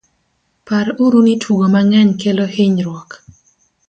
par uru ni tugo mang'eny kelo hinyruok